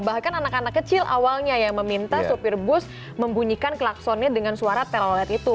bahkan anak anak kecil awalnya yang meminta sopir bus membunyikan klaksonnya dengan suara telolet itu